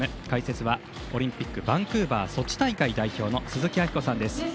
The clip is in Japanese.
解説は、オリンピックバンクーバー、ソチ大会代表の鈴木明子さんです。